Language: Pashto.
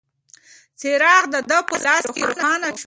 څراغ د ده په لاس روښانه شو.